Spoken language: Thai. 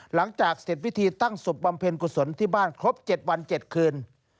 หลังจากเสร็จพิธีตั้งศพบำเพ็ญกุศลที่บ้านครบ๗วัน๗คืน